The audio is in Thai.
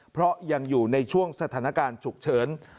เพราะยังอยู่ในช่วงสถานการณ์ฉุกเฉิน